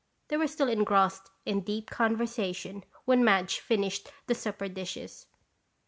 They were still engrossed in deep conversation when Madge finished the supper dishes.